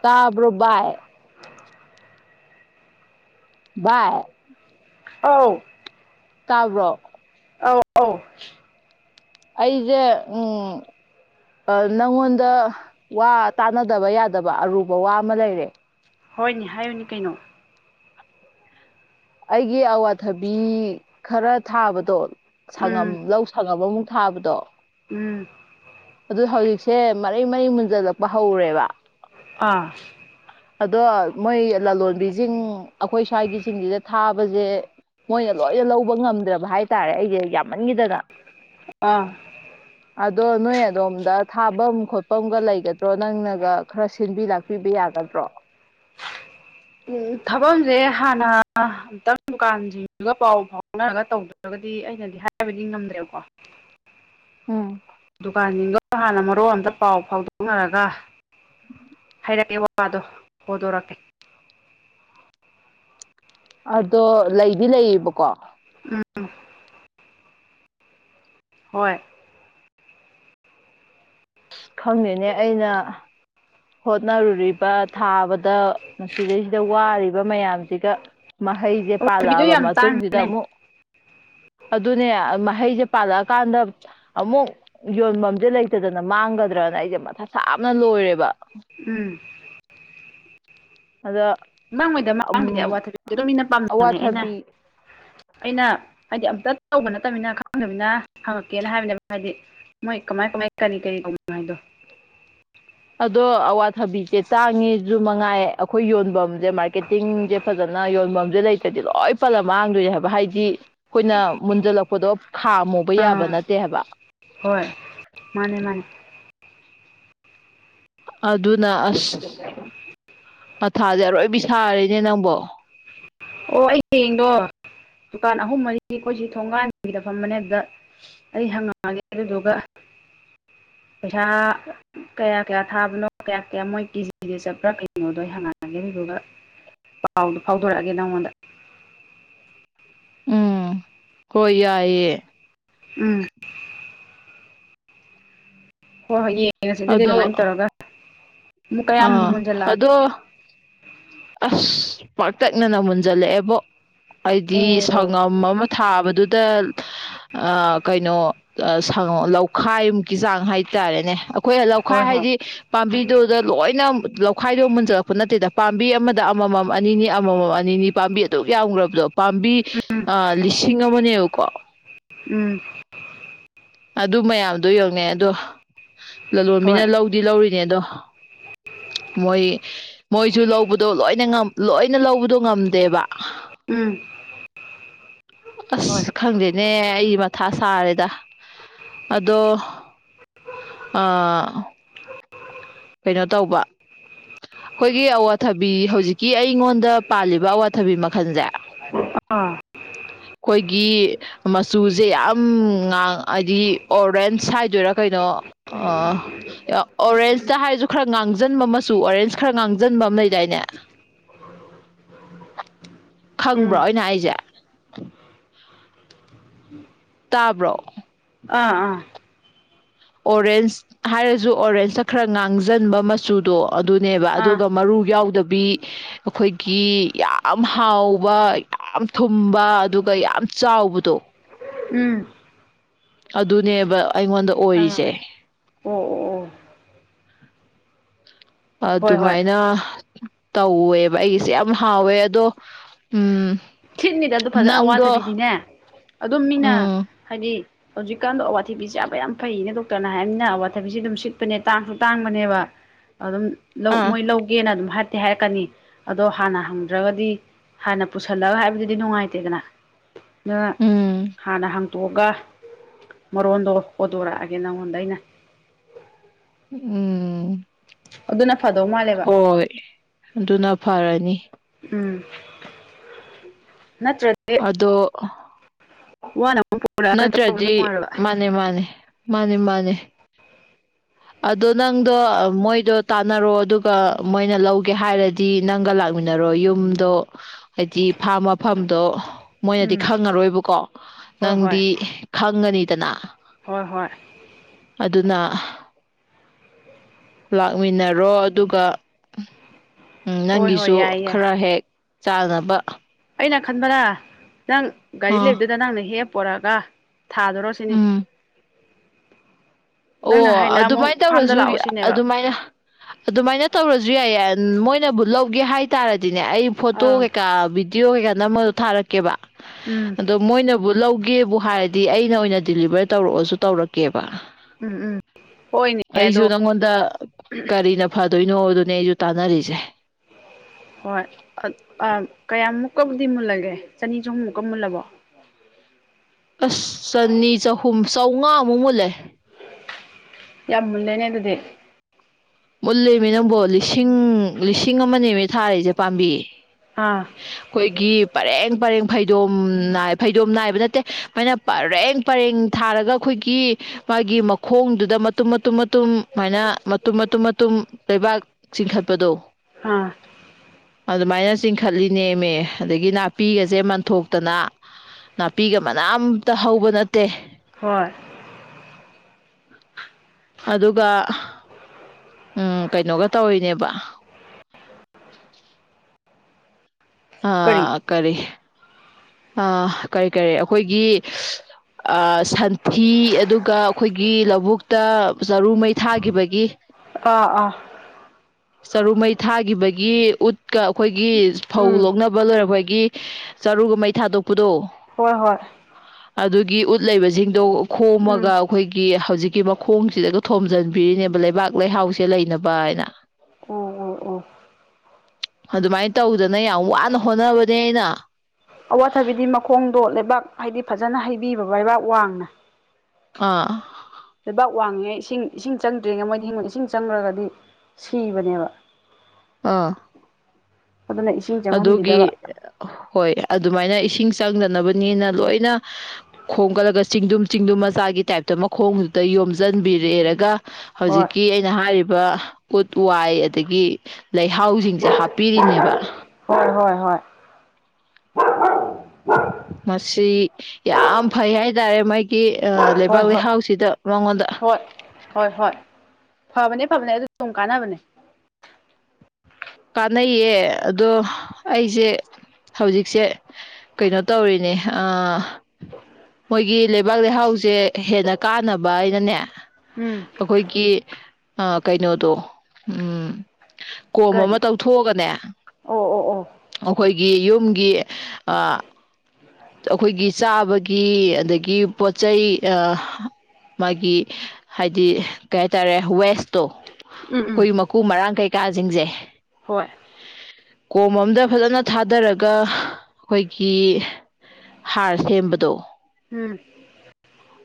ꯇꯥꯕ꯭ꯔꯣ ꯕꯥꯏ ꯕꯥꯏ ꯑꯧ ꯇꯥꯕ꯭ꯔꯣ? ꯑꯧ ꯑꯧ ꯑꯩꯖ‌ꯦ ꯎꯝ ꯑꯩ ꯅꯪꯉꯣꯟꯗ ꯋꯥ ꯇꯥꯟꯅꯗꯕ ꯌꯥꯗꯕ ꯑꯔꯨꯕ ꯋꯥ ꯑꯃ ꯂꯩꯔꯦ ꯫ ꯍꯣꯏꯅ‌ꯦ ꯍꯥꯏꯌꯨꯅꯤ ꯀꯩꯅꯣ? ꯑꯩꯒꯤ ꯑꯋꯥꯊꯥꯕꯤ ꯈꯔ ꯊꯥꯕꯗꯣ ꯁꯪꯉꯝ ꯎꯝ ꯂꯧ ꯁꯪꯉꯝ ꯑꯃꯃꯨꯛ ꯊꯥꯕꯗꯣ ꯎꯝ ꯑꯗꯨ ꯍꯧꯖꯤꯛꯁꯦ ꯃꯔꯩ ꯃꯔꯩ ꯃꯨꯟꯖꯜꯂꯛꯄ ꯍꯧꯔꯦꯕ ꯑꯥ ꯑꯗꯣ ꯃꯣꯏ ꯂꯥꯂꯣꯟꯕꯤꯖꯤꯡ ꯑꯈꯣꯏ ꯁ꯭ꯋꯥꯏꯒꯤꯁꯤꯡꯁꯤꯗ ꯊꯥꯕꯖ‌ꯦ ꯃꯣꯏꯅ ꯂꯣꯏꯅ ꯂꯧꯕ ꯉꯝꯗ꯭ꯔꯕ ꯍꯥꯏꯇꯥꯔꯦ ꯑꯩꯁꯦ ꯌꯥꯃꯟꯈꯤꯗꯅ ꯑꯥ [inaudible] ꯑꯗꯣ ꯅꯣꯏ ꯑꯗꯣꯝꯗ ꯊꯥꯚꯝ ꯈꯣꯠꯐꯝꯒ ꯂꯩꯒꯗ꯭ꯔꯣ ꯅꯪꯅꯒ ꯈꯔ ꯁꯤꯟꯕꯤ ꯄꯤꯕ ꯌꯥꯒꯗ꯭ꯔꯣ ꯎꯝ ꯊꯥꯕꯝꯖ‌ꯦ ꯍꯥꯟꯅ ꯑꯝꯇꯪ ꯗꯨꯀꯥꯟꯁꯤꯡꯗꯨꯒ ꯄꯥꯎ ꯐꯥꯎꯅꯔꯒ ꯇꯧꯗ꯭ꯔꯒꯗꯤ ꯑꯩꯅꯗꯤ ꯍꯥꯏꯕꯗꯤ ꯉꯝꯗ꯭ꯔꯦꯕꯀꯣ ꯎꯝ ꯫ ꯗꯨꯀꯥꯟꯁꯤꯡꯗ‌ꯣ ꯍꯥꯟꯅ ꯃꯔꯣꯟ ꯑꯝꯇ ꯄꯥꯎ ꯐꯥꯎꯗꯣꯛꯅꯔꯒ ꯔꯛꯀꯦ ꯋꯥꯗꯣ ꯍꯧꯗꯣꯔꯛꯀꯦ ꯫ ꯑꯗꯣ ꯂꯩꯗꯤ ꯂꯩꯌꯦꯕꯀꯣ ꯫ ꯎꯝ꯫ ꯍꯣꯏ ꯑꯁ ꯈꯪꯗꯦꯅꯦ ꯑꯩꯅ ꯍꯣꯠꯅꯔꯨꯔꯤꯕ ꯊꯥꯕꯗ ꯃꯁꯤꯗꯩꯁꯤꯗ ꯋꯥꯔꯤꯕ ꯃꯌꯥꯝꯁꯤꯒ ꯃꯍꯩꯖ‌ꯦ ꯑꯋꯥꯊꯕꯤꯗꯣ ꯄꯥꯜꯂꯛꯑꯕ ꯌꯥꯝ ꯃꯇꯨꯡꯁꯤꯗ ꯇꯥꯡꯕꯅꯦ ꯑꯃꯨꯛ ꯑꯗꯨꯅꯦ ꯃꯍꯩꯖ‌ꯦ ꯄꯥꯜꯂꯛꯑꯀꯥꯟꯗ ꯑꯃꯨꯛ ꯌꯣꯟꯐꯝꯁꯦ ꯂꯩꯇꯗꯅ ꯃꯥꯡꯒꯗ꯭ꯔꯅ ꯑꯩꯁꯦ ꯃꯊꯥ ꯁꯥꯥꯕꯅ ꯂꯣꯏꯔꯦꯕ ꯫ ꯎꯝ꯫ ꯑꯗ‌ꯣ ꯃꯥꯡꯉꯣꯏꯗ ꯃꯥꯡꯕꯨꯗꯤ ꯑꯋꯥꯄꯗꯨꯗꯤ ꯗꯨ ꯃꯤꯅ ꯄꯥꯝꯅꯕꯅꯦ ꯑꯩꯅ ꯑꯋꯥꯊꯕꯤ ꯑꯩꯅ ꯍꯥꯏꯗꯤ ꯑꯝꯇ ꯇꯧꯕ ꯅꯠꯇꯃꯤꯅ ꯈꯪꯗꯃꯤꯅ ꯍꯪꯉꯛꯀꯦꯅ ꯍꯥꯏꯕꯅꯦꯕ ꯍꯥꯏꯗꯤ ꯃꯣꯏ ꯀꯃꯥꯏ ꯀꯃꯥꯏ ꯀꯔꯤ ꯀꯔꯤ ꯇꯧꯕꯅ‌ꯣ ꯍꯥꯏꯗꯣ ꯑꯗꯣ ꯑꯋꯥꯊꯕꯤꯁꯦ ꯇꯥꯡꯉꯦꯁꯨ ꯃꯉꯥꯏ ꯑꯈꯣꯏ ꯌꯣꯟꯐꯝ [unintelligible] ꯃꯥꯔꯀꯦꯇꯤꯡꯁꯦ ꯐꯖꯅ ꯌꯣꯟꯐꯝꯁꯦ ꯂꯩꯇ꯭ꯔꯗꯤ ꯂꯣꯏ ꯄꯠꯂ ꯃꯥꯡꯗꯣꯏꯅꯦ ꯍꯥꯏꯕ ꯍꯥꯏꯗꯤ ꯈꯣꯏꯅ ꯃꯨꯟꯖꯤꯜꯂꯛꯄꯗꯣ ꯈꯥꯝꯃꯨꯕ ꯌꯥꯕ ꯑꯥ ꯅꯠꯇꯦ ꯍꯥꯏꯕ ꯍꯣꯏ ꯃꯥꯅꯦ ꯃꯥꯅꯦ ꯑꯗꯨꯅ ꯑꯁ ꯃꯊꯥꯁꯦ ꯑꯔꯣꯏꯕꯤ ꯁꯥꯔꯤꯅꯦ ꯅꯪꯕꯣ ꯫ ꯑꯣ ꯑꯩ ꯍꯌꯦꯡꯗꯣ ꯗꯨꯀꯥꯟ ꯑꯍꯨꯝ ꯃꯔꯤ ꯑꯩꯈꯣꯏꯁꯤ ꯊꯣꯡꯒꯥꯟꯒꯤꯗ ꯐꯝꯕꯅꯦ ꯑꯗꯨꯗ ꯑꯩ ꯍꯪꯉꯛꯑꯒꯦ ꯑꯗꯨꯗꯨꯒ ꯄꯩꯁꯥ ꯀꯌꯥ ꯀꯌꯥ ꯊꯥꯕꯅꯣ ꯀꯌꯥ ꯀꯌꯥ ꯃꯣꯏ ꯀꯦꯖꯤꯗ ꯆꯠꯄ꯭ꯔꯥ ꯀꯩꯅꯣꯗꯣ ꯑꯩ ꯍꯪꯉꯛꯑꯒꯦ ꯑꯗꯨꯗꯨꯒ ꯄꯥꯎꯗꯨ ꯐꯥꯎꯗꯣꯔꯛꯑꯒꯦ ꯅꯪꯉꯣꯟꯗ ꯎꯝ ꯍꯣꯏ ꯌꯥꯏꯑꯦ ꯎꯝ꯫ ꯍꯣꯏ ꯍꯣꯏ ꯌꯦꯡꯉꯁꯤ ꯑꯗꯨꯗꯤ ꯑꯗꯣ ꯑꯗꯨꯃꯥꯏꯅ ꯇꯧꯔꯒ ꯑꯃꯨꯛ ꯀꯌꯥꯝꯕꯨ ꯑꯥ ꯑꯗꯣ ꯃꯨꯟꯖꯤꯜꯂꯛꯑꯒꯦ ꯑꯁ ꯄꯥꯛꯇꯛꯅꯅ ꯃꯨꯟꯖꯜꯂꯛꯑꯦꯕꯣ ꯑꯩꯗꯤ ꯑꯣ ꯁꯥꯉꯝ ꯑꯃ ꯊꯥꯕꯗꯨꯗ ꯑ ꯀꯩꯅꯣ ꯑ ꯁꯥꯉꯝ ꯂꯧꯈꯥꯏꯃꯨꯛꯀꯤ ꯆꯥꯡ ꯍꯥꯏꯇꯥꯔꯦꯅꯦ ꯑ ꯑꯩꯈꯣꯏ ꯂꯧꯈꯥꯏ ꯍꯣꯏ ꯍꯣꯏ ꯍꯥꯏꯗꯤ ꯄꯥꯝꯕꯤꯗꯨꯗ ꯂꯣꯏꯅ ꯂꯧꯈꯥꯏꯗꯣ ꯃꯨꯟꯖꯜꯂꯛꯄ ꯅꯠꯇꯦꯗꯝ ꯄꯥꯝꯕꯤ ꯑꯃꯗ ꯑꯃꯃꯝ ꯑꯅꯤꯅꯤ ꯑꯃꯃꯝ ꯑꯅꯤꯅꯤ ꯄꯥꯝꯕꯤ ꯑꯗꯨꯛ ꯌꯥꯝꯈ꯭ꯔꯕꯗꯣ ꯄꯥꯝꯕꯤ ꯎꯝ ꯑ ꯂꯤꯁꯤꯑꯃꯅꯦꯕꯀꯣ ꯎꯝ꯫ ꯑꯗꯨ ꯃꯌꯥꯝꯗꯣ ꯌꯦꯡꯑꫭꯅꯦ ꯑꯗꯣ ꯂꯥꯂꯣꯟꯕꯤꯅ ꯍꯣꯏ ꯂꯧꯗꯤ ꯂꯧꯔꯤ ꯅꯦꯗꫭ ꯃꯣꯏ ꯃꯣꯏꯁꯨ ꯂꯧ ꯕꯨꯗꯣ ꯂꯣꯏꯅ ꯉꯝ ꯂꯣꯏꯅ ꯂꯧꯕꯗꯣ ꯉꯝꯗꯦꯕ ꯎꯝ꯫ ꯍꯣꯏ ꯑꯁ ꯈꯪꯗꯦꯅꯦ ꯑꯩ ꯃꯊꯥ ꯁꯥꯔꯦꯗ ꯑꯗꯣ ꯑꯥ ꯀꯩꯅꯣ ꯇꯧꯕ ꯑꯩꯈꯣꯏꯒꯤ ꯑꯋꯥꯊꯕꯤ ꯍꯧꯖꯤꯛꯀꯤ ꯑꯩꯉꯣꯟꯗ ꯄꯥꯜꯂꯤꯕ ꯑꯋꯥꯊꯕꯤ ꯃꯈꯜꯁꯦ ꯑꯥ ꯈꯣꯏꯒꯤ ꯃꯆꯨꯁꯦ ꯌꯥꯝ ꯉꯥꯡ ꯍꯥꯏꯗꯤ ꯑꯣꯔꯦꯟꯁ ꯍꯥꯏꯗꯣꯏꯔꯥ ꯀꯩꯅꯣ ꯑꫭ ꯌꯥꯝ ꯑꯣꯔꯦꯟꯁ ꯇꯥ ꯍꯥꯏꯁꯨ ꯈꯔ ꯉꯥꯡꯖꯟꯕ ꯃꯆꯨ ꯑꯣꯔꯦꯟꯁ ꯈꯔ ꯉꯥꯡꯖꯟꯕ ꯑꯃ ꯂꯩꯗꯥꯏꯅꯦ ꯎꯝ ꯈꯪꯕ꯭ꯔꯣ ꯑꯩꯅ ꯍꯥꯏꯁꯦ ꯇꯥꯕ꯭ꯔꯣ ꯑꯥ ꯑꯥ ꯑꯣꯔꯦꯟꯁ ꯍꯥꯏꯔꯁꯨ ꯑꯣꯔꯦꯟꯁꯇ ꯈꯔ ꯉꯥꯡꯖꯟꯕ ꯃꯆꯨꯗꯣ ꯑꯗꯨꯅꯦꯕ ꯑꯥ ꯑꯗꯨꯒ ꯃꯔꯨ ꯌꯥꯎꯗꯕꯤ ꯑꯩꯈꯣꯏꯒꯤ ꯌꯥꯝ ꯍꯥꯎꯕ ꯌꯥꯝ ꯊꯨꯝꯕ ꯑꯗꯨꯒ ꯌꯥꯝ ꯆꯥꯎꯕꯗꯣ ꯎꯝ ꯑꯗꯨꯅꯦꯕ ꯑꯩꯉꯣꯟꯗ ꯑꯥ ꯑꯣꯏꯔꯤꯁꯦ ꯑꯣ ꯑꯣ ꯑꯣ ꯍꯣꯏ ꯍꯣꯏ ꯑꯗꯨꯃꯥꯏꯅ ꯇꯧꯋꯦꯕ ꯑꯩꯒꯤꯁꯦ ꯌꯥꯝ ꯍꯥꯎꯋꯦ ꯑꯗꯣ ꯎꯝ ꯁꯤꯠꯅꯤꯗ ꯑꯗꯨ ꯐꯖꯅ ꯅꯪꯗꯣ ꯑꯋꯥꯊꯕꯤꯗꯤꯅꯦ ꯑꯗꯨꯝ ꯃꯤꯅ ꯎꯝ ꯍꯥꯏꯗꯤ ꯍꯧꯖꯤꯛꯀꯥꯟꯗꯣ ꯑꯋꯥꯊꯤꯕꯤ ꯆꯥꯕ ꯌꯥꯝ ꯐꯩꯌꯦꯅꯦ ꯗꯣꯛꯇꯔꯅ ꯍꯥꯏꯔꯅꯤꯅ ꯑꯋꯥꯊꯕꯤꯁꯦ ꯑꯗꯨꯝ ꯁꯤꯠꯄꯅꯦ ꯇꯥꯡꯁꯨ ꯇꯥꯡꯕꯅꯦꯕ ꯑꯗꯨꯝ ꯂꯧ ꯑꯥ ꯃꯣꯏ ꯂꯧ ꯒꯦꯅ ꯑꯗꯨꯝ ꯍꯥꯏꯇꯤ ꯍꯥꯏꯔꯛꯀꯅꯤ ꯑꯗꯣ ꯍꯥꯟꯅ ꯍꯪꯗ꯭ꯔꯒꯗꯤ ꯍꯥꯟꯅ ꯄꯨꯁꯜꯂꯒ ꯍꯥꯏꯕꯗꯤ ꯅꯨꯡꯉꯥꯏꯇꯦꯗꯅ ꯍꯥꯟꯅ ꯎꯝ ꯍꯪ -unintelligible ꯇꯣꯛꯑꯒ ꯃꯔꯣꯟꯗꯣ ꯍꯣꯗꯣꯔꯛꯑꯒꯦ ꯅꯪꯉꯣꯟꯗ ꯑꯩꯅ ꯎꯝ ꯑꯗꯨꯅ ꯐꯗꯧ ꯃꯥꯜꯂꯦꯕ ꯍꯣꯏ ꯑꯗꯨꯅ ꯐꯔꯅꯤ ꯎꯝ ꯅꯠꯇ꯭ꯔ ꯑꯗꯣ ꯅꯠꯇ꯭ꯔꯗꯤ ꯋꯥꯅ--inaudible ꯃꯥꯅꯦ ꯃꯥꯅꯦ ꯃꯥꯅꯦ ꯃꯥꯅꯦ ꯑꯗꯣ ꯅꯪꯗꯣ ꯃꯣꯏꯗꯣ ꯇꯥꯟꯅꯔꯣ ꯑꯗꯨꯒ ꯃꯣꯏꯅ ꯂꯧꯒꯦ ꯍꯥꯏꯔ unintelligible ꯗꯤ ꯅꯪꯒ ꯂꯥꯛꯃꯤꯟꯅꯔꯣ ꯌꯨꯝꯗꯣ ꯍꯥꯏꯗꯤ ꯐꯥꯔꯃ- unintelligible ꯃꯐꯝꯗꯣ ꯃꯣꯏꯅꯗꯤ ꯎꯝ ꯈꯪꯉꯔꯣꯏꯕꯀꯣ ꯍꯣꯏ ꯍꯣꯏ ꯅꯪꯗꯤ ꯈꯪꯒꯅꯤꯗꯅ ꯍꯣꯏ ꯍꯣꯏ ꯑꯗꯨꯅ ꯂꯥꯛꯃꯤꯟꯅꯔꯣ ꯑꯗꯨꯒ ꯍꯣꯏ ꯍꯣꯏ ꯅꯪꯒꯤꯁꯨ ꯌꯥꯏ ꯌꯥꯏ ꯈꯔ ꯍꯦꯛ ꯆꯥꯅꯕ ꯑꯩꯅ ꯈꯟꯕꯅꯥ ꯅꯪ ꯒꯥꯔꯤ ꯑꯥ ꯂꯩꯕꯗꯨꯗ ꯅꯪꯅ ꯍꯦꯛ ꯄꯣꯔꯛꯑꯒ ꯊꯥꯗꯣꯔꯁꯤꯅꯤ ꯎꯝ ꯑꯣ ꯅꯪꯅ ꯍꯥꯏꯅ ꯑꯃꯨꯛ ꯑꯗꯨꯃꯥꯏꯅ ꯐꯥꯔꯝꯗ ꯇꯧꯔꯁꯨ ꯂꯥꯛꯑꯣ ꯁꯤꯅꯦꯕ ꯑꯗꯨꯃꯥꯏꯅ ꯑꯗꯨꯃꯥꯏꯅ ꯇꯧꯔꯁꯨ ꯌꯥꯏꯌꯦ ꯃꯣꯏꯅꯕꯨ ꯂꯧꯒꯦ ꯍꯥꯏꯇꯥꯔꯗꯤꯅꯦ ꯑꯩ ꯐꯣꯇꯣ ꯑꯥ ꯀꯩꯀꯥ ꯚꯤ- unintelligible ꯚꯤꯗꯤꯌꯣ ꯀꯩꯀꯥꯅꯝꯃ ꯊꯥꯔꯛꯀꯦꯕ ꯎꯝ ꯑꯗꯣ ꯃꯣꯏꯅꯕꯨ ꯂꯧꯒꯦꯕꯨ ꯍꯥꯏꯔꯗꯤ ꯑꯩꯅ ꯑꯣꯏꯅ ꯗꯤꯂꯤꯚꯔ ꯇꯧꯔꯛꯑꯣꯁꯨ ꯇꯧꯔꯛꯀꯦꯕ ꯎꯝ ꯎꯝ ꯍꯣꯏꯅꯦ ꯑꯩꯁꯨ ꯑꯗꯣ ꯅꯪꯉꯣꯟꯗ ꯀꯔꯤꯅ ꯐꯗꯣꯏꯅꯣ ꯑꯗꯨꯅꯦ ꯑꯩꯁꯨ ꯇꯥꯟꯅꯔꯤꯁꯦ ꯍꯣꯏ ꯀꯌꯥꯃꯨꯛꯀꯕꯨꯗꯤ ꯃꯨꯜꯂꯒꯦ ꯆꯅꯤ ꯆꯍꯨꯝꯃꯨꯛꯀ ꯃꯨꯜꯂꯕꯣ ꯑꯁ ꯆꯅꯤ ꯆꯍꯨꯝ ꯆꯥꯝꯃꯉꯥꯃꯨꯛ ꯃꯨꯜꯂꯦ ꯌꯥꯝꯃꯨꯟꯂꯦꯅꯦ ꯑꯗꯨꯗꯤ ꯃꯨꯜꯂꯦꯃꯤ ꯅꯪꯕꯣ ꯂꯤꯁꯤꯡ ꯂꯤꯁꯤꯡ ꯑꯃꯅꯦꯃꯤ ꯊꯥꯔꯤꯁꯦ ꯄꯥꯝꯕꯤ ꯑꯥ ꯑꯩꯈꯣꯏꯒꯤ ꯄꯔꯦꯡ ꯄꯔꯦꯡ ꯐꯩꯗꯣꯝ ꯅꯥꯏ ꯐꯩꯗꯣꯝ ꯅꯥꯏꯕ ꯅꯠꯇꯦ- unintelligible ꯄꯔꯦꯡ ꯄꯔꯦꯡ ꯊꯥꯔꯒ ꯑꯩꯈꯣꯏꯒꯤ ꯃꯥꯒꯤ ꯃꯈꯣꯡꯗꯨꯗ ꯃꯇꯨꯝ ꯃꯇꯨꯝ ꯃꯇꯨꯝ ꯁꯨꯃꯥꯏꯅ ꯃꯇꯨꯝ ꯃꯇꯨꯝ ꯃꯇꯨꯝ ꯂꯩꯕꯥꯛ ꯆꯤꯡꯈꯠꯄꯗꯣ ꯍꯥꯥ ꯑꯗꯨꯃꯥꯏꯅ ꯆꯤꯡꯈꯠꯂꯤꯅꯦꯃꯦ ꯑꯗꯒꯤ ꯅꯥꯄꯤꯒꯁꯦ ꯃꯟꯊꯣꯛꯇꯅ ꯅꯥꯄꯤꯒ ꯃꯅꯥ ꯑꯝꯇ ꯍꯧꯕ ꯅꯠꯇꯦ ꯍꯣꯏ ꯑꯗꯨꯒ ꯎꯝ ꯀꯩꯅꯣꯒ ꯇꯧꯔꯤꯅꯦꯕ ꯑꯥ ꯀꯔꯤ ꯑ ꯀꯔꯤ ꯀꯔꯤ ꯑꯩꯈꯣꯏꯒꯤ ꯁꯟꯊꯤ ꯑꯗꯨꯒ ꯑꯩꯈꯣꯏꯒꯤ ꯂꯧꯕꯨꯛꯇ ꯆꯔꯨ ꯃꯩ ꯊꯥꯈꯤꯕꯒꯤ ꯑꯥ ꯑꯥ ꯆꯔꯨ ꯃꯩ ꯊꯥꯈꯤꯕꯒꯤ ꯎꯠꯀ ꯑꯩꯈꯣꯏꯒꯤ ꯐꯧ ꯎꯝ ꯂꫭꯛꯅꯕ ꯂꯣꯔꯛꯄꯒꯤ ꯆꯔꯨꯒ ꯃꯩ ꯊꯥꯗꯣꯛꯄꯗꯣ ꯍꯣꯏ ꯍꯣꯏ ꯑꯗꯨꯒꯤ ꯎꯠ ꯂꯩꯕꯁꯤꯡꯗꯣ ꯎꯝ ꯈꯣꯝꯃꯒ ꯑꯩꯈꯣꯏꯒꯤ ꯍꯧꯖꯤꯛꯀꯤ ꯃꯈꯣꯡꯁꯤꯗꯁꯨ ꯊꯣꯝꯖꯤꯟꯕꯤꯔꯤꯅꯦꯕ ꯂꯩꯕꯥꯛ ꯂꯩꯍꯥꯎꯁꯦ ꯂꯩꯅꯕ ꯍꯥꯏꯅ ꯑꯣ ꯑꯣ ꯑꯣ ꯑꯗꯨꯃꯥꯏꯅ ꯇꯧꯗꯅ ꯌꯥꯝ ꯋꯥꯅ ꯍꯣꯠꯅꯕꯅꯦ ꯑꯩꯅ ꯑꯋꯥꯊꯕꯤꯗꯤ ꯃꯈꯣꯡꯗꯣ ꯂꯩꯕꯥꯛ ꯍꯥꯏꯗꯤ ꯐꯖꯅ ꯍꯩꯕꯤꯕ ꯂꯩꯕꯥꯛ ꯋꯥꯡꯅ ꯑꯥ ꯂꯩꯕꯥꯛ ꯋꯥꯡꯉꯤꯉꯦ ꯏꯁꯤꯡ ꯏꯁꯤꯡ ꯆꯪꯗ꯭ꯔꯤꯉꯩ ꯃꯣꯏꯗꯤ ꯏꯁꯤꯡ ꯆꯪꯈ꯭ꯔꯒꯗꯤ ꯁꯤꯕꯅꯦꯕ ꯑꯥ ꯑꯗꯨꯅ ꯏꯁꯤꯡ ꯑꯗꯨꯒꯤ ꯆꯪꯍꯟꯕꯤꯗꯕ ꯍꯣꯏ ꯑꯗꯨꯃꯥꯏꯅ ꯏꯁꯤꯡ ꯆꯪꯗꯅꯕꯅꯤꯅ ꯂꯣꯏꯅ ꯈꯣꯡꯒꯠꯂꯒ ꯆꯤꯡꯗꯨꯝ ꯆꯤꯡꯗꯨꯝ ꯃꯆꯥꯒꯤ ꯇꯥꯏꯞꯇ ꯃꯈꯣꯡꯗꯨꯗ ꯌꯣꯝꯁꯤꯟꯕꯤꯔꯦꯔꯒ ꯍꯣꯏ ꯍꯧꯖꯤꯛꯀꯤ ꯑꯩꯅ ꯍꯥꯏꯔꯤꯕ ꯎꯠ ꯋꯥꯏ ꯑꯗꯒꯤ ꯂꯩꯍꯥꯎꯁꯤꯡꯁꯦ ꯍꯥꯞꯄꯤꯔꯤꯅꯦꯕ ꯍꯣꯏ ꯍꯣꯏ ꯍꯣꯏ ꯃꯁꯤ ꯌꯥꯝ ꯐꯩ ꯍꯥꯏꯇꯥꯔꯦ ꯃꯥꯒꯤ ꯍꯣꯏ ꯂꯩꯕꯥꯛ ꯍꯣꯏ ꯂꯩꯍꯥꯎꯁꯤꯗ ꯃꯉꯣꯟꯗ ꯍꯣꯏ ꯍꯣꯏ ꯍꯣꯏ ꯐꯕꯅꯦ ꯐꯕꯅꯦ ꯑꯗꯨ ꯁꯝ ꯀꯥꯟꯅꯕꯅꯦ ꯀꯥꯟꯅꯩꯌꯦ ꯑꯗꯣ ꯑꯩꯁꯦ ꯍꯧꯖꯤꯛꯁꯦ ꯀꯩꯅꯣ ꯇꯧꯔꯤꯅꯦ ꯑ ꯃꯣꯏꯒꯤ ꯂꯩꯕꯥꯛ ꯂꯩꯍꯥꯎꯁꯦ ꯍꯦꯟꯅ ꯀꯥꯟꯅꯕ ꯍꯥꯏꯅꯅꯦ ꯎꯝ꯫ ꯑꯩꯈꯣꯏꯒꯤ ꯀꯩꯅꯣꯗꯣ ꯎꯝ ꯀꯔꯤ ꯊꯣꯛꯑꯒꯅꯦ ꯑꯣ ꯑꯣ ꯑꯣ ꯑꯩꯈꯣꯏꯒꯤ ꯌꯨꯝꯒꯤ ꯑ ꯑꯩꯈꯣꯏꯒꯤ ꯆꯥꯕꯒꯤ ꯑꯗꯒꯤ ꯄꯣꯠꯆꯩꯩ ꯑ ꯃꯥꯒꯤ ꯍꯥꯏꯗꯤ ꯀꯩ ꯍꯥꯏꯇꯥꯔꯦ ꯋꯦꯁꯇꯣ ꯎꯝ ꯎꯝ ꯑꯩꯈꯣꯏ ꯃꯀꯨ ꯃꯔꯥꯡ ꯀꯩꯀꯥꯁꯤꯡꯁꯦ ꯍꯣꯏ ꯀꯣꯝ ꯑꯝꯗ ꯐꯖꯅ ꯊꯥꯗꯔꯒ ꯑꯩꯈꯣꯏꯒꯤ ꯍꯥꯔ ꯁꯦꯝꯕꯗꯣ ꯎꯝ꯫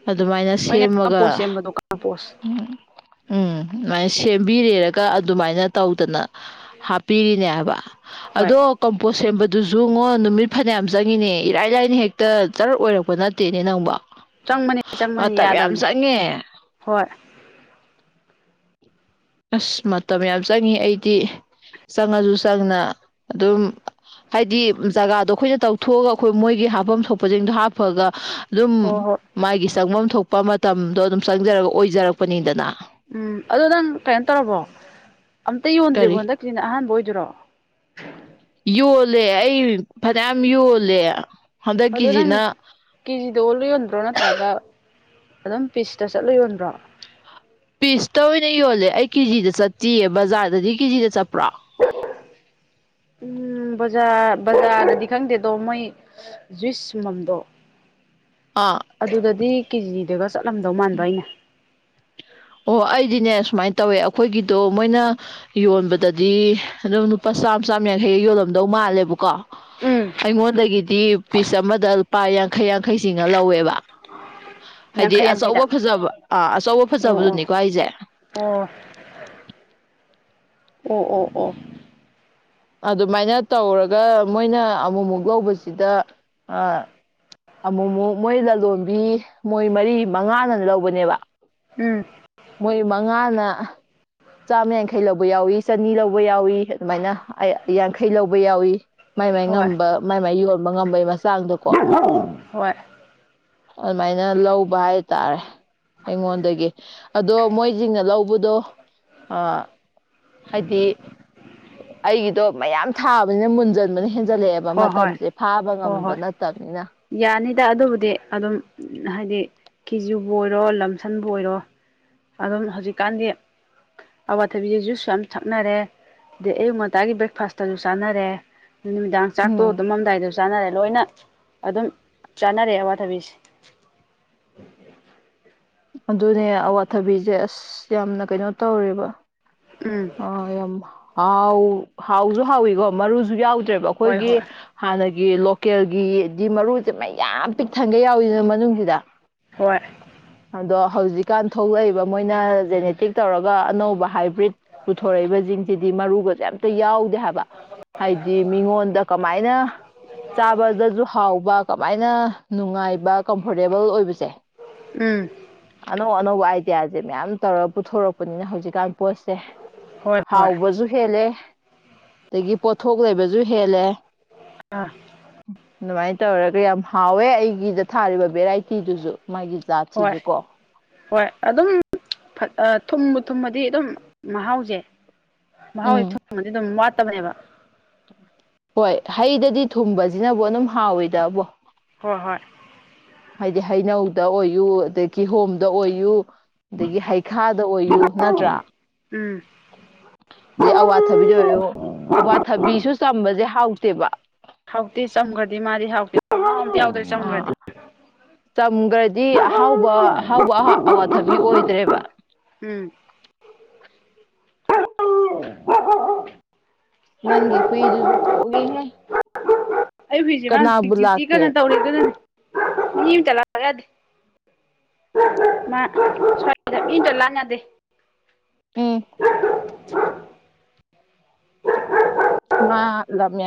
ꯑꯗꯨꯃꯥꯏꯅ ꯍꯣꯏꯅꯦ ꯀꯝꯄꯣꯁ ꯁꯦꯝꯃꯒ ꯁꯦꯝꯕꯗꯣ ꯀꯝꯄꯣꯁ ꯎꯝ ꯎꯝ ꯑꯗꯨꯃꯥꯏꯅ ꯁꯦꯝꯕꯤꯔꯦꯔꯒ ꯑꯗꯨꯃꯥꯏꯅ ꯇꯧꯗꯅ ꯍꯥꯞꯄꯤꯔꯤꯅꯦ ꯍꯥꯏꯕ ꯍꯣꯏ ꯑꯗꯣ ꯀꯝꯄꯣꯁ ꯁꯦꯝꯕꯗꯨꯁꯨꯉꯣ ꯅꯨꯃꯤꯠ ꯐꯅꯌꯥꯝ ꯆꯪꯉꯤꯅꯦ ꯏꯔꯥꯏ ꯂꯥꯏꯅ ꯍꯦꯛꯇ ꯆꯔ ꯑꯣꯏꯔꯛꯄ ꯅꯠꯇꯦꯅꯦ ꯅꯪꯕꫭ ꯆꯪꯕꯅꯤ ꯆꯪꯕꯅꯤ ꯃꯇꯝ ꯌꯥꯝ ꯌꯥꯗꯕꯅꯤ ꯆꯪꯉꯦ ꯍꯣꯏ ꯑꯁ ꯃꯇꯝ ꯌꯥꯝ ꯆꯪꯉꯦ ꯑꯩꯗꯤ ꯆꯪꯉꯁꯨ ꯆꯪꯅ ꯑꯗꯨꯝ ꯍꯥꯏꯗꯤ ꯖꯒꯥꯗꯣ ꯑꯩꯈꯣꯏꯅ ꯇꯧꯊꯣꯛꯑꯒ ꯑꯩꯈꯣꯏ ꯃꯣꯏꯒꯤ ꯍꯥꯞꯐꯝ ꯊꯣꯛꯄꯁꯤꯡꯗꯣ ꯍꯥꯞꯄꯒ ꯑꯗꯨꯝ ꯍꯣꯏ ꯍꯣꯏ ꯃꯥꯒꯤ ꯆꯪꯐꯝ ꯊꯣꯛꯄ ꯃꯇꯝꯗꯣ ꯑꯗꯨꯝ ꯆꯪꯖꯔꯒ ꯑꯣꯏꯖꯔꯛꯄꯅꯤꯗꯅ ꯎꯝ ꯑꯗꯣ ꯅꯪ ꯀꯩꯅꯣ ꯇꯧꯔꯕꯣ ꯑꯝꯇ ꯌꯣꯟꯗ꯭ꯔꯤꯕꯣ ꯀꯔꯤ ꯍꯟꯗꯛꯀꯤꯁꯤꯅ ꯑꯍꯥꯟꯕ ꯑꯣꯏꯗꯣꯏꯔꯣ ꯌꯣꯜꯂꯦ ꯑꯩ ꯐꯅꯌꯥꯝ ꯌꯣꯜꯂꯦ ꯑꯗꯣ ꯅꯪ ꯍꯟꯗꯛꯀꯤꯁꯤꯅ ꯀꯦꯖꯤꯗ ꯑꯣꯜꯂ ꯌꯣꯟꯕ꯭ꯔꯣ ꯅꯠꯇ꯭ꯔꯒ ꯑꯗꯨꯝ ꯄꯤꯁꯇ ꯆꯠꯂ ꯌꯣꯟꯕ꯭ꯔꯣ ꯄꯤꯁꯇ ꯑꯣꯏꯅ ꯌꯣꯜꯂꯦ ꯑꯩ ꯀꯦꯖꯤꯗ ꯆꯠꯇꯤꯌꯦ ꯕꯖꯥꯔꯗꯗꯤ ꯀꯦꯖꯤꯗ ꯆꯠꯄ꯭ꯔꯣ ꯎꯝ ꯕꯖꯥꯔ ꯕꯖꯥꯔꯗꯗꯤ ꯈꯪꯗꯦꯗꯣ ꯃꯣꯏ ꯖꯨꯏꯁ ꯁꯨꯝꯕꯝꯗꯣ ꯑꯥ ꯑꯗꯨꯗꯗꯤ ꯀꯦꯖꯤꯗꯒ ꯆꯠꯂꯝꯗꯧ ꯃꯥꯟꯕ ꯑꯩꯅ ꯑꯣ ꯑꯩꯗꯤꯅꯦ ꯁꯨꯃꯥꯏ ꯇꯧꯋꯦ ꯑꯈꯣꯏꯒꯤꯗꯣ ꯃꯣꯏꯅ ꯌꯣꯟꯕꯗꯗꯤ ꯑꯗꯨꯝ ꯂꯨꯄꯥ ꯆꯥꯝ ꯆꯥꯝꯌꯥꯡꯈꯩꯒꯤ ꯌꯣꯜꯂꯝꯗꯧ ꯃꯥꯜꯂꯦꯕꯀꯣ ꯎꯝ ꯑꯩꯉꯣꯟꯗꯒꯤꯗꯤ ꯄꯤꯁ ꯑꯃꯗ ꯂꯨꯄꯥ ꯌꯥꯡꯈꯩ ꯌꯥꯡꯈꯩ ꯆꯤꯉꯥ ꯂꯧꯋꯦꯕ ꯍꯥꯏꯗꯤ ꯌꯥꯡꯈꯩ ꯌꯥꯡꯈꯩꯗ ꯑꯆꯧꯕ ꯐꯖꯕ ꯑꯥ ꯑꯆꯧꯕ ꯑꯣ ꯐꯖꯕꯗꯨꯅꯤꯀꯣ ꯍꯥꯏꯁꯦ ꯑꯣ ꯑꯣ ꯑꯣ ꯑꯣ ꯑꯗꯨꯃꯥꯏꯅ ꯇꯧꯔꯒ ꯃꯣꯏꯅ ꯑꯃꯨꯛꯃꯨꯛ ꯂꯧꯕꯁꯤꯗ ꯑꯃꯨꯛꯃꯨꯛ ꯃꯣꯏ ꯂꯂꯣꯟꯕꯤ ꯃꯣꯏ ꯃꯔꯤ ꯃꯉꯥꯅ ꯂꯧꯕꯅꯦꯕ ꯎꯝ ꯃꯣꯏ ꯃꯉꯥꯅ ꯆꯥꯝꯃꯌꯥꯡꯈꯩ ꯂꯧꯕ ꯌꯥꯎꯏ ꯆꯅꯤ ꯂꯧꯕ ꯌꯥꯎꯏ ꯑꯗꯨꯃꯥꯏꯅ ꯌꯥꯡꯈꯩ ꯂꯧꯕ ꯌꯥꯎꯏ ꯃꯥꯏ ꯃꯥꯏ ꯍꯣꯏ ꯉꯝꯕ ꯃꯥꯏ ꯃꯥꯏ ꯌꯣꯟꯕ ꯉꯝꯕꯩ ꯃꯆꯥꯡꯗꯀꯣ ꯍꯣꯏ ꯑꯗꯨꯃꯥꯏꯅ ꯂꯧꯕ ꯍꯥꯏ ꯇꯥꯔꯦ ꯑꯩꯉꯣꯟꯗꯒꯤ ꯑꯗꯣ ꯃꯣꯏꯖꯤꯡꯅ ꯂꯧꯕꯗꯣ ꯍꯥꯏꯗꯤ ꯑꯩꯒꯤꯗꯣ ꯃꯌꯥꯝ ꯊꯥꯕꯅꯤꯅ ꯃꯨꯟꯖꯟꯕꯅ ꯍꯦꯟꯖꯜꯂꯛꯑꯦꯕ ꯍꯣꯏ ꯃꯇꯝꯁꯦ ꯐꯥꯕ ꯍꯣꯏ ꯉꯝꯕ ꯍꯣꯏ ꯅꯠꯇꯕꯅꯤꯅ ꯌꯥꯅꯤꯗ ꯑꯗꯨꯕꯨꯗꯤ ꯑꯗꯨꯝ ꯍꯥꯏꯗꯤ ꯀꯤꯖꯤꯕꯨ ꯑꯣꯏꯔꯣ ꯂꯝꯁꯝꯕꯨ ꯑꯣꯏꯔꯣ ꯑꯗꯨꯝ ꯍꯧꯖꯤꯛꯀꯥꯟꯗꯤ ꯑꯋꯥꯊꯕꯤ ꯖꯨꯏꯁꯨꯨ ꯌꯥꯝ ꯊꯛꯅꯔꯦ ꯗ ꯑꯌꯨꯛ ꯉꯟꯇꯥꯒꯤ ꯕ꯭ꯔꯦꯛꯐꯥꯁꯇꯁꯨ ꯆꯥꯅꯔꯦ ꯆꯥꯛ ꯇꯣꯛꯑꯒ ꯎꯝ ꯇꯨꯝꯃꯝꯗꯥꯏꯗ ꯆꯥꯅꯔꯦ ꯂꯣꯏꯅ ꯑꯗꯨꯝ ꯆꯥꯅꯔꯦ ꯑꯋꯥꯊꯕꯤꯁꯦ ꯑꯗꯨꯅꯦ ꯑꯋꯥꯊꯕꯤꯁꯦ ꯑꯁ ꯌꯥꯝꯅ ꯀꯩꯅꯣ ꯇꯧꯔꯦꯕ ꯎꯝ ꯑ ꯌꯥꯝ ꯍꯥꯎ ꯍꯥꯎꯁꯨ ꯍꯥꯎꯋꯀꯣ ꯃꯔꯨꯁꯨ ꯌꯥꯎꯗ꯭ꯔꯦꯕ ꯍꯣꯏ ꯑꯩꯈꯣꯏꯒꯤ ꯍꯣꯏ ꯍꯥꯟꯅꯒꯤ ꯂꯣꯀꯦꯜꯒꯤꯗꯤ ꯃꯔꯨꯁꯦ ꯃꯌꯥꯝ ꯄꯤꯛꯊꯟꯒꯩ ꯌꯥꯎꯏꯗꯥꯅ ꯃꯅꯨꯡꯁꯤꯗ ꯍꯣꯏ ꯑꯗꯣ ꯍꯧꯖꯤꯛꯀꯥꯟ ꯊꯣꯛꯂꯛꯏꯕ ꯃꯣꯏꯅ ꯖꯦꯅꯦꯇꯤꯛ ꯇꯧꯔꯒ ꯑꯅꯧꯕ ꯍꯥꯏꯕ꯭ꯔꯤꯠ ꯄꯨꯊꯣꯔꯛꯏꯕ ꯁꯤꯡꯁꯤꯗꯤ ꯃꯔꯨꯒꯥ ꯀꯩꯝꯇ ꯌꯥꯎꯗꯦ ꯍꯥꯏꯕ ꯍꯥꯏꯗꯤ ꯃꯤꯉꯣꯟꯗ ꯀꯃꯥꯏꯅ ꯆꯥꯕꯗꯁꯨ ꯍꯥꯎꯕ ꯀꯃꯥꯏꯅ ꯅꯨꯡꯉꯥꯏꯕ ꯀꯝꯐꯣꯔꯇꯦꯕꯜ ꯑꯣꯏꯕꯁꯦ ꯎꯝ ꯑꯅꯧ ꯑꯅꯧꯕ ꯑꯥꯏꯗꯤꯌꯥꯁꯦ ꯃꯌꯥꯝ ꯇꯧꯔꯒ ꯄꯨꯊꯣꯔꯛꯄꯅꯤꯅ ꯍꯧꯖꯤꯛꯀꯥꯟ ꯄꯣꯠꯁꯦ ꯍꯣꯏ ꯍꯣꯏ ꯍꯥꯎꯕꯁꯨ ꯍꯦꯜꯂꯦ ꯑꯗꯒꯤ ꯄꯣꯠꯊꯣꯛ ꯂꯩꯕꯁꯨ ꯍꯦꯜꯂꯦ ꯑꯥ ꯑꯗꯨꯃꯥꯏꯅ ꯇꯧꯔꯒ ꯌꯥꯝ ꯍꯥꯎꯋꯦ ꯑꯩꯒꯤꯗ ꯊꯥꯔꯤꯕ ꯚꯦꯔꯥꯏꯇꯤꯗꯨꯁꯨ ꯃꯥꯒꯤ ꯍꯣꯏ ꯖꯥꯠꯁꯤꯁꯨ ꯀꯣ ꯍꯣꯏ ꯑꯗꯨꯝ ꯊꯨꯝꯕ ꯊꯨꯝꯕꯗꯤ ꯑꯗꯨꯝ ꯃꯍꯥꯎꯁꯦ ꯃꯍꯥꯎꯁꯦ ꯎꯝ ꯊꯨꯝꯃꯥꯗꯤ ꯑꯗꯨꯝ ꯋꯥꯠꯇꯕꯅꯦꯕ ꯍꯣꯏ ꯍꯩꯗꯗꯤ ꯊꯨꯝꯕꯁꯤꯅꯕꯨ ꯑꯗꯨꯝ ꯍꯥꯎꯏꯗꯕꯣ ꯍꯣꯏ ꯍꯣꯏ ꯍꯥꯏꯗꯤ ꯍꯩꯅꯧꯗ ꯑꯣꯏꯌꯨ ꯑꯗꯒꯤ ꯀꯤꯍꯣꯝꯗ ꯑꯣꯏꯌꯨ ꯑꯗꯒꯤ ꯍꯩꯈꯥꯗ ꯑꯣꯏꯌꯨ ꯅꯠꯇ꯭ꯔꯥ ꯎꯝ ꯑꯗꯩ ꯑꯋꯥꯊꯕꯤꯗ ꯑꯣꯏꯌꯣ ꯑꯋꯥꯊꯕꯤꯁꯨ ꯆꯝꯕꯁꯦ ꯍꯥꯎꯇꯦꯕ ꯍꯥꯎꯇꯦ ꯆꯝꯈ꯭ꯔꯗꯤ ꯃꯥꯗꯤ ꯍꯥꯎꯇꯦ ꯑꯝꯇ ꯌꯥꯎꯗ꯭ꯔꯦ ꯑꯥ ꯆꯝꯈ꯭ꯔꯗꯤ ꯆꯝꯈ꯭ꯔꯗꯤ ꯑꯍꯥꯎꯕ ꯑꯍꯥꯎꯕ ꯑꯋꯥꯊꯕꯤ ꯑꯣꯏꯗ꯭ꯔꯦꯕ ꯎꯝ ꯅꯪꯒꯤ ꯍꯨꯏꯗꯨꯖꯨ ꯈꯣꯡꯢꯍꯦ ꯑꯩ ꯍꯧꯖꯤꯛꯁꯦ ꯃꯥ ꯍꯧꯖꯤꯛ ꯗ꯭ꯌꯨꯇꯤ ꯂꯥꯛꯀꯦ ꯀꯩꯅꯣ ꯇꯧꯔꯦ ꯀꯅꯅꯦ ꯃꯤ ꯑꯃꯇ ꯂꯥꯛ ꯌꯥꯗꯦ ꯃꯥ ꯁ꯭ꯋꯥꯏꯗ ꯃꯤ ꯑꯝꯇ ꯂꯥꯟ ꯌꯥꯗꯦ ꯎꯝ ꯃꯥ ꯂꯝ ꯌ